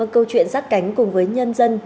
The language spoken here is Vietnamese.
câu chuyện sát cánh cùng với nhân dân